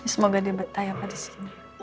semoga dia bertahap di sini